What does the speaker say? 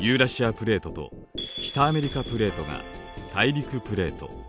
プレートと北アメリカプレートが大陸プレート。